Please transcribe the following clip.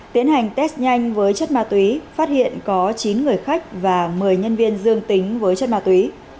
tiến hành test nhanh với chất ma túy phát hiện có chín người khách và một mươi nhân viên dương tính với chất ma túy